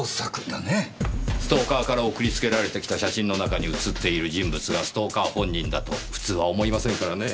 ストーカーから送りつけられてきた写真の中に写っている人物がストーカー本人だと普通は思いませんからねぇ。